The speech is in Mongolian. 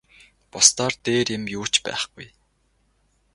Бусдаар дээр юм юу ч байхгүй.